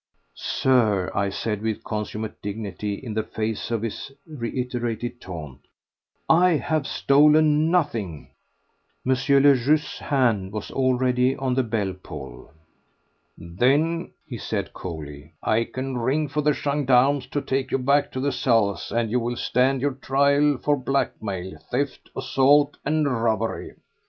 "Sir," I said with consummate dignity in the face of this reiterated taunt, "I have stolen nothing—" M. le Juge's hand was already on the bell pull. "Then," he said coolly, "I can ring for the gendarmes to take you back to the cells, and you will stand your trial for blackmail, theft, assault and robbery."